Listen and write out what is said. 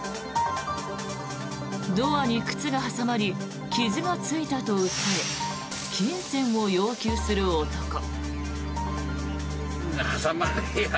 ドアに靴が挟まり傷がついたと訴え金銭を要求する男。